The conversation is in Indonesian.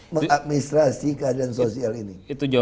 mengadministrasi keadilan sosial ini